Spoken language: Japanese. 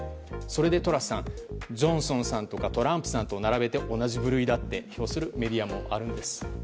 それでトラスさんジョンソンさんやトランプさんと並べて同じ部類だと評するメディアもあるんです。